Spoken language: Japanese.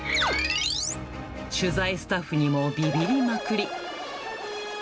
取材スタッフにもびびりまくり。